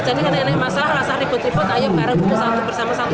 jadi karena ini masalah masalah ribut ribut ayo beranggung bersama sama